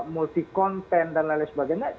multi content dan lain sebagainya